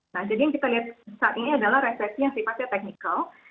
nah jadi yang kita lihat saat ini adalah resesi yang sifatnya teknikal